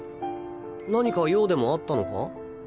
何か用でもあったのか？